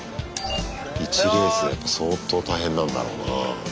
１レースでやっぱ相当大変なんだろうなぁ。